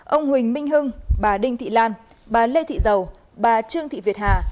ông huỳnh minh hưng bà đinh thị lan bà lê thị dầu bà trương thị việt hà